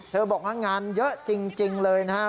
เธอบอกว่างานเยอะจริงเลยนะฮะ